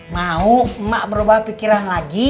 mau emak berubah pikiran lagi